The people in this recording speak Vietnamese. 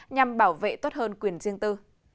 nhằm bảo vệ tốt hơn quyền riêng tư